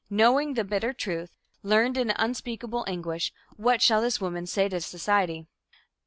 Knowing the bitter truth, learned in unspeakable anguish, what shall this woman say to society?